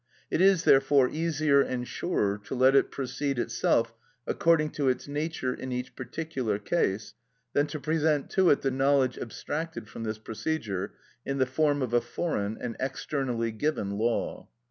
It is, therefore, easier and surer to let it proceed itself according to its nature in each particular case, than to present to it the knowledge abstracted from this procedure in the form of a foreign and externally given law.